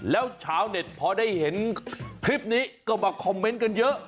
แล้วชาวเน็ตพอได้เห็นคลิปนี้ก็มาคอมเมนต์กันเยอะ